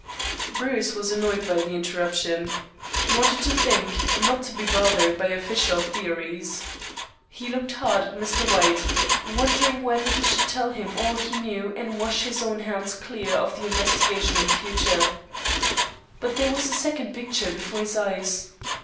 Bruce was annoyed by the interruption. He wanted to think, not to be bothered by official theories. He looked hard at Mr. White, wondering whether he should tell him all he knew and wash his own hands clear of the investigation in future. But there was a second picture before his eyes.